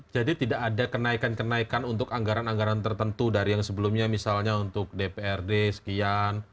jadi tidak ada kenaikan kenaikan untuk anggaran anggaran tertentu dari yang sebelumnya misalnya untuk dprd sekian